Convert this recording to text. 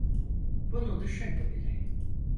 Bunu düşünme bile.